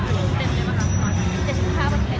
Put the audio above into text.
จริงเปลี่ยนนี้เดเจ้าปลอมไหม